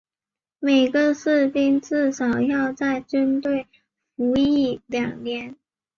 每个士兵至少要在军队服役两年。